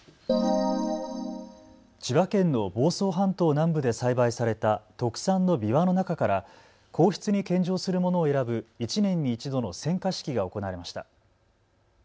千葉県の房総半島南部で栽培された特産のびわの中から皇室に献上するものを選ぶ１年に一度の選果式が行われました。